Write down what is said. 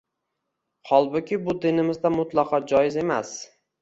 Holbuki bu dinimizda mutlaqo joiz emas